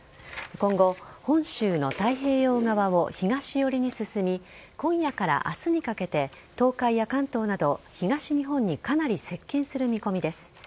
今後、本州の太平洋側を東寄りに進み今夜から明日にかけて東海や関東など東日本にかなり接近する見込みです。